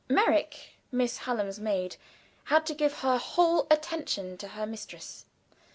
Merrick, Miss Hallam's maid, had to give her whole attention to her mistress.